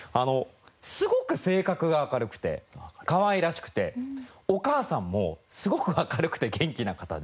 すごく性格が明るくてかわいらしくてお母さんもすごく明るくて元気な方で。